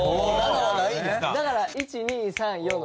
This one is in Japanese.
だから１２３４の。